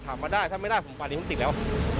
ถามว่าได้ถ้าไม่ได้ผมปานิมติกแล้ว